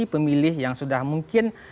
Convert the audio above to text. pemilih yang sudah mungkin